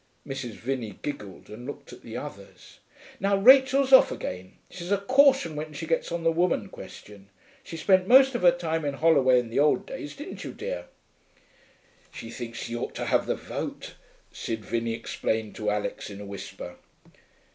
Mrs. Vinney giggled and looked at the others. 'Now Rachel's off again. She's a caution when she gets on the woman question. She spent most of her time in Holloway in the old days, didn't you, dear?' 'She thinks she ought to have the vote,' Sid Vinney explained to Alix in a whisper.